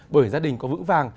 bởi gia đình có vững vàng